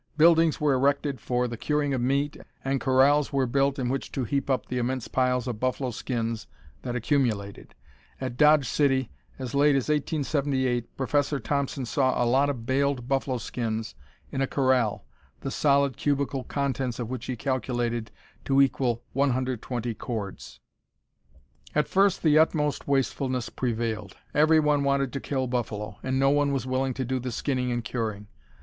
Buildings were erected for the curing of meat, and corrals were built in which to heap up the immense piles of buffalo skins that accumulated. At Dodge City, as late as 1878, Professor Thompson saw a lot of baled buffalo skins in a corral, the solid cubical contents of which he calculated to equal 120 cords. At first the utmost wastefulness prevailed. Every one wanted to kill buffalo, and no one was willing to do the skinning and curing.